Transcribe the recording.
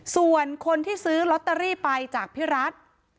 ส่วนคนที่ซื้อลอตเตอรี่ไปจากพี่รัฐ